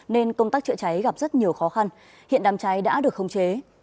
nên công tác chữa cháy gặp rất nhiều khó khăn hiện đàm cháy đã được khống chế